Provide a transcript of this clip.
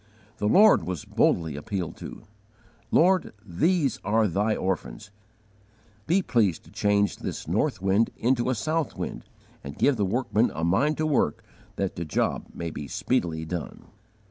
The Lord was boldly appealed to. "Lord, these are Thy orphans: be pleased to change this north wind into a south wind, and give the workmen a mind to work that the job may be speedily done."